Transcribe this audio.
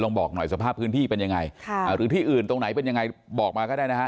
บอกหน่อยสภาพพื้นที่เป็นยังไงหรือที่อื่นตรงไหนเป็นยังไงบอกมาก็ได้นะฮะ